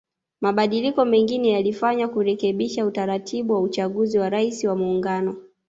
Mabadiliko mengine yalifanywa kurekebisha utaratibu wa uchaguzi wa Rais wa Muungano